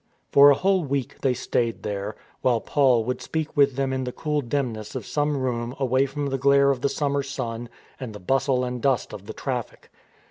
For a whole week they stayed there, while Paul would speak with them in the cool dimness of some room away from the glare of the summer sun and the bustle and dust of the traffic.